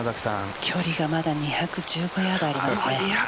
距離が２１５ヤードありますね。